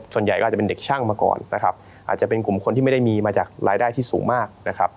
ส่วนใหญ่ก็อาจจะเป็นเด็กช่างมาก่อนนะครับอาจจะเป็นกลุ่มคนที่ไม่ได้มีมาจากรายได้ที่สูงมากนะครับ